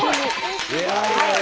すごい！